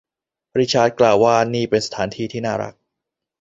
ริชาร์ดกล่าวว่านี่เป็นสถานที่ที่น่ารัก